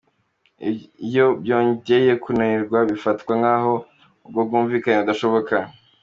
Iyo byongeye kunanirana bifatwa nk’aho ubwo bwumvikane budashoboka.